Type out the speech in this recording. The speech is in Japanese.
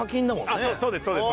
そうですそうです